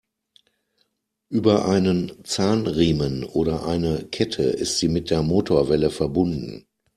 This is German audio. Über einen Zahnriemen oder eine Kette ist sie mit der Motorwelle verbunden.